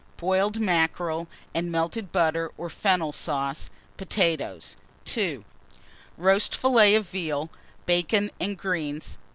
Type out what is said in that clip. Boiled mackerel and melted butter or fennel sauce, potatoes. 2. Roast fillet of veal, bacon, and greens.